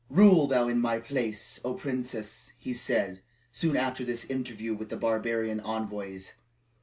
"Rule thou in my place, O Princess!" he said, soon after this interview with the barbarian envoys.